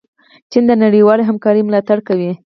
چین د نړیوالې همکارۍ ملاتړ کوي.